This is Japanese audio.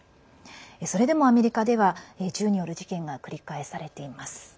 それでも、アメリカでは銃による事件が繰り返されています。